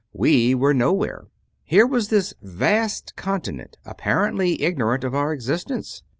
we were nowhere. Here was this vast continent ap parently ignorant of our existence!